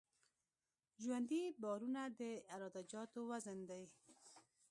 ژوندي بارونه د عراده جاتو وزن دی